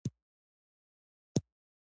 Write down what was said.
د پنجشیر کبان مشهور دي